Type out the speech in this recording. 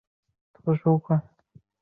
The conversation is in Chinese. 首府贝尔图阿。